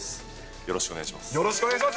よろしくお願いします。